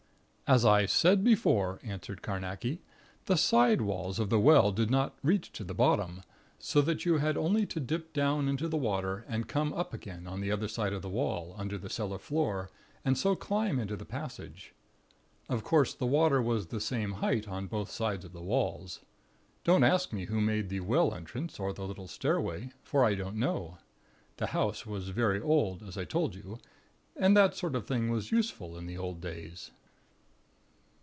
"As I said before," answered Carnacki. "The side walls of the well did not reach to the bottom; so that you had only to dip down into the water, and come up again on the other side of the wall, under the cellar floor, and so climb into the passage. Of course, the water was the same height on both sides of the walls. Don't ask me who made the well entrance or the little stairway; for I don't know. The house was very old, as I have told you; and that sort of thing was useful in the old days."